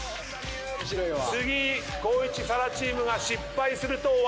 次光一・紗来チームが失敗すると終わりです。